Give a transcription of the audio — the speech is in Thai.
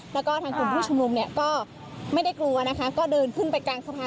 แล้วก็ทางกลุ่มผู้ชุมนุมเนี่ยก็ไม่ได้กลัวนะคะก็เดินขึ้นไปกลางสภา